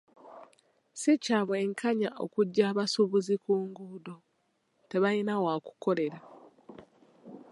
Si kya bwenkanya okuggya abasuubuzi ku nguudo, tebayina waakukolera.